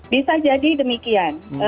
bisa jadi demikian